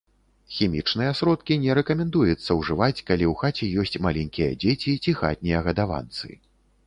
Хімічныя сродкі не рэкамендуецца ўжываць, калі ў хаце ёсць маленькія дзеці ці хатнія гадаванцы.